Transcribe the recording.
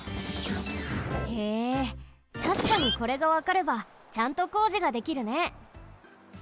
へえたしかにこれがわかればちゃんとこうじができるね。